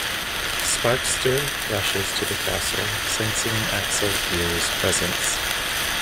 Sparkster rushes to the castle, sensing Axel Gear's Presence.